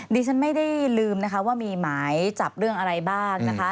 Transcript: ดิฉันไม่ได้ลืมนะคะว่ามีหมายจับเรื่องอะไรบ้างนะคะ